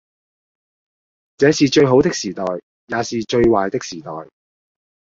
這是最好的時代，也是最壞的時代，